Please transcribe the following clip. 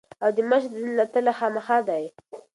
او د مشر ديدن له تلۀ خامخه دي ـ